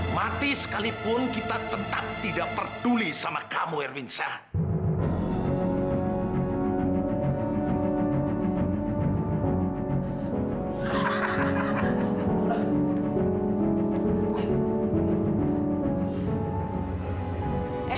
mati sekalipun kita tentak tidak perduli sama kamu irwicah